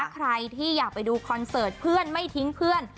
ใครที่อยากไปดูคอนเสิร์ตเพื่อนไม่ทิ้งเพื่อน